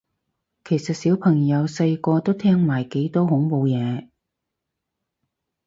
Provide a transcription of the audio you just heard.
其實小朋友細個都聽埋幾多恐怖嘢